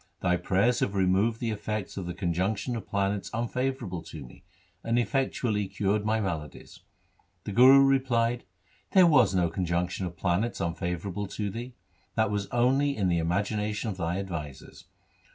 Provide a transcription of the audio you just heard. Thy prayers have removed the effects of the conjunction of planets unfavourable to me, and effectually cured my maladies.' The Guru replied, ' There was no conjunction of planets unfavourable to thee. That was only in the imagina tion of thy advisers.